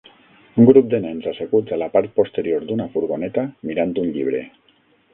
Un grup de nens asseguts a la part posterior d'una furgoneta mirant un llibre.